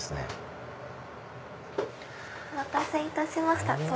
お待たせいたしました。